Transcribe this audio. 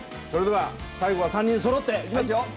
それでは最後は３人そろっていきますよ。